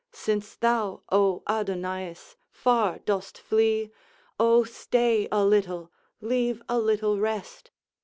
Since thou, O Adonaïs, far dost flee Oh, stay a little leave a little rest!